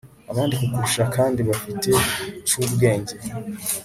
Abandi kukurushakandi bafite cubwenge